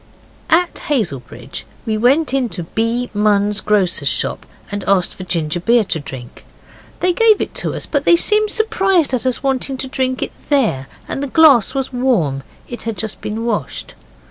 At Hazelbridge we went into B. Munn's grocer's shop and asked for ginger beer to drink. They gave it us, but they seemed surprised at us wanting to drink it there, and the glass was warm it had just been washed.